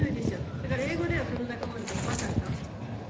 だから英語ではこの仲間のことバター。